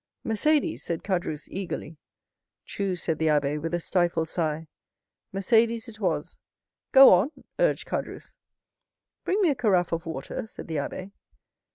"Mercédès," said Caderousse eagerly. "True," said the abbé, with a stifled sigh, "Mercédès it was." "Go on," urged Caderousse. "Bring me a carafe of water," said the abbé.